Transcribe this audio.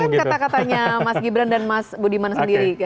itu kan kata katanya mas gibran dan mas budiman sendiri